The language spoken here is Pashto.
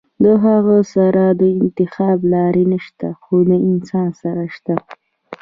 د هغه سره د انتخاب لارې نشته خو د انسان سره شته -